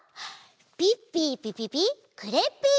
ピッピーピピピクレッピー！